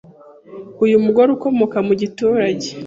Uyu mugore ukomoke mu giturege